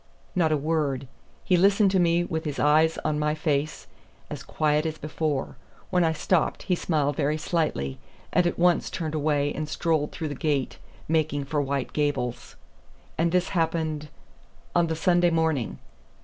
"Not a word. He listened to me with his eyes on my face, as quiet as before. When I stopped he smiled very slightly, and at once turned away and strolled through the gate, making for White Gables." "And this happened ?" "On the Sunday morning."